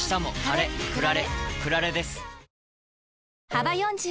幅４０